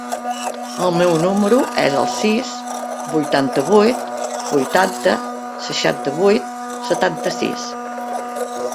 El meu número es el sis, vuitanta-vuit, vuitanta, seixanta-vuit, setanta-sis.